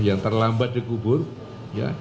yang terlambat dikubur ya